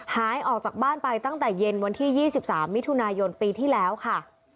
หายออกจากบ้านไปตั้งแต่เย็นวันที่๒๓มิถุนายนปีที่แล้วค่ะ